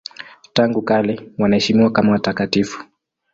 Tangu kale wanaheshimiwa kama watakatifu.